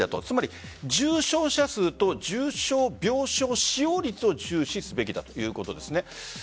つまり重症者数と重症病床使用率を注視すべきだということですね。